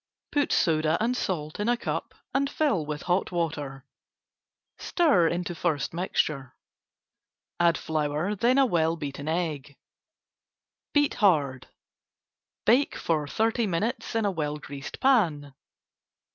Put soda and salt in a cup and fill with hot water. Stir into first mixture. Add flour, then well beaten egg. Beat hard. Bake for thirty minutes in a well greased pan.